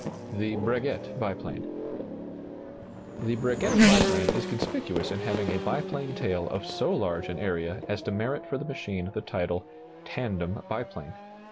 THE BREGUET BIPLANE. The Breguet biplane is conspicuous in having a biplane tail of so large an area as to merit for the machine the title "tandem biplane."